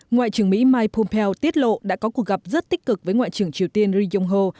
ngoại trưởng mỹ mike pompeo tiết lộ đã có cuộc gặp rất tích cực với ngoại trưởng triều tiên ri yong ho